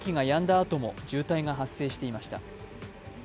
あとも渋滞が発生していました。